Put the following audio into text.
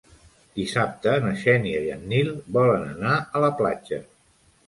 Dissabte na Xènia i en Nil volen anar a la platja.